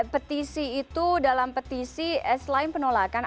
petisi itu dalam petisi selain penolakan artinya masyarakat juga berhasil menolaknya